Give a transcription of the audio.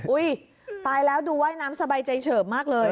ตายแล้วดูว่ายน้ำสบายใจเฉิบมากเลย